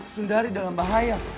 sudari dalam bahaya